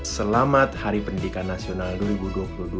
selamat hari pendidikan nasional dua ribu dua puluh dua